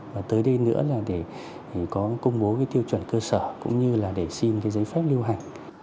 và tới đây nữa là để có công bố cái tiêu chuẩn cơ sở cũng như là để xin cái giấy phép lưu hành